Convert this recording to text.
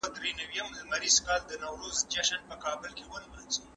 د مسلکي کسانو روزنه خورا اړینه ده.